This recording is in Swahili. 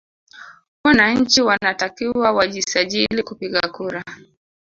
Wananchi wanatakiwa wajisajili kupiga kura